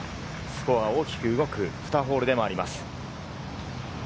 スコアが大きく動く２ホールでもあります。